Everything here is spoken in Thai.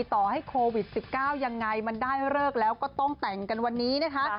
ต่อให้โควิด๑๙ยังไงมันได้เลิกแล้วก็ต้องแต่งกันวันนี้นะคะ